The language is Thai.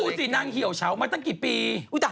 สินางเหี่ยวเฉามาตั้งกี่ปี